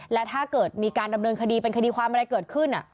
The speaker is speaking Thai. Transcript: และถ้าเกิดมีการดำเนินคดีเป็นคดีความอะไรเกิดขึ้น